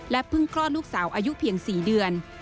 เพิ่งคลอดลูกสาวอายุเพียง๔เดือน